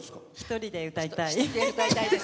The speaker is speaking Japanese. １人で歌いたい。